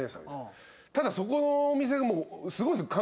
ただそこのお店すごいんですよ。